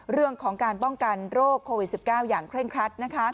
เรื่องของการป้องกันโรคโควิด๑๙อย่างเคร่งครัด